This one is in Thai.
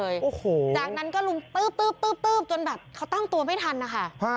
จากนั้นก็ลุ้มตื๊บจนแบบเขาตั้งตัวไม่ทันนะคะ